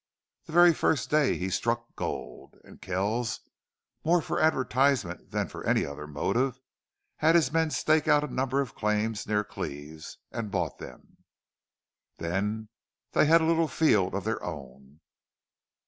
The very first day he struck gold. And Kells, more for advertisement than for any other motive, had his men stake out a number of claims near Cleve's, and bought them. Then they had a little field of their own.